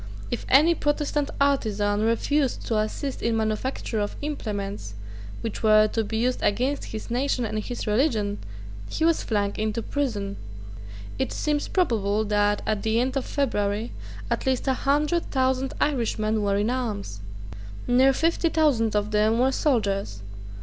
If any Protestant artisan refused to assist in the manufacture of implements which were to be used against his nation and his religion, he was flung into prison. It seems probable that, at the end of February, at least a hundred thousand Irishmen were in arms. Near fifty thousand of them were soldiers.